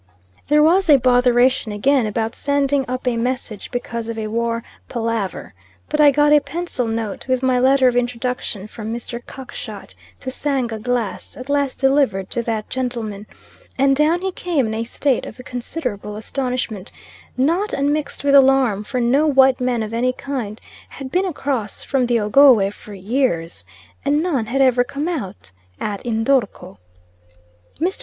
There was a botheration again about sending up a message, because of a war palaver; but I got a pencil note, with my letter of introduction from Mr. Cockshut to Sanga Glass, at last delivered to that gentleman; and down he came, in a state of considerable astonishment, not unmixed with alarm, for no white man of any kind had been across from the Ogowe for years, and none had ever come out at N'dorko. Mr.